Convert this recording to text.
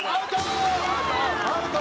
アウト！